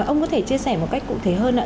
ông có thể chia sẻ một cách cụ thể hơn ạ